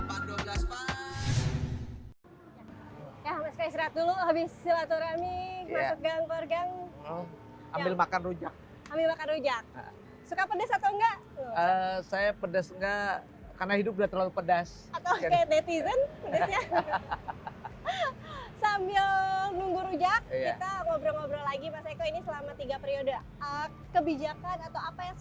apa yang sudah diwujudkan untuk masyarakat